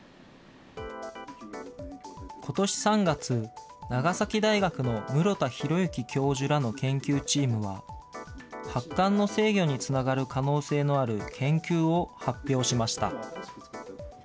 ことし３月、長崎大学の室田浩之教授らの研究チームは、発汗の制御につながる可能性のある研究を発表しました。